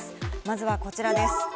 まずはこちらです。